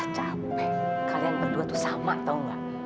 capek kalian berdua itu sama tahu tidak